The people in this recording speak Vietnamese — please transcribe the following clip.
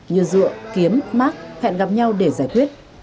như dựa kiếm mát hẹn gặp nhau để giải quyết